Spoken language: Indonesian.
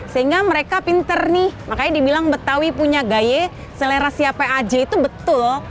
sehingga mereka pinter nih makanya dibilang betawi punya gaya selera siapa aja itu betul